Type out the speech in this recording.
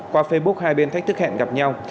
qua facebook hai bên thách thức hẹn gặp nhau